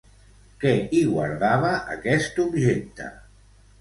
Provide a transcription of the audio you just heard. Què hi guardava aquest objecte?